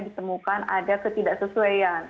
ditemukan ada ketidak sesuaian